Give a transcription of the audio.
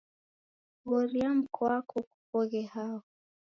Ghoria mkwako kokoghe hao.